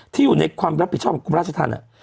ที่อยู่ในความรับผิดชอบคุมราชทรรณ